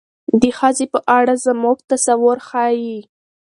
د ښځې په اړه زموږ تصور ښيي.